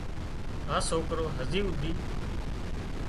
اِ سوڪرو هزي هوڌي